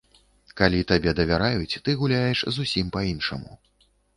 Калі табе давяраюць, ты гуляеш зусім па-іншаму.